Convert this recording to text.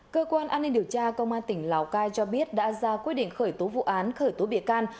cơ quan an ninh điều tra công an tỉnh lào cai cho biết đã ra quyết định khởi tố vụ án khởi tố bị can